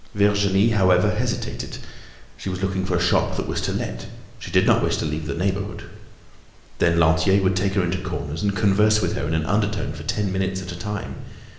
Virginie, however, hesitated; she was looking for a shop that was to be let, she did not wish to leave the neighborhood. Then Lantier would take her into corners and converse with her in an undertone for ten minutes at a time.